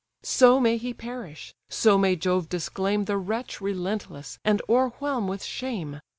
So may he perish, so may Jove disclaim The wretch relentless, and o'erwhelm with shame!